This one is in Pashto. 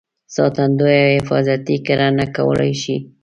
ساتندویه یا حفاظتي کرنه کولای شي.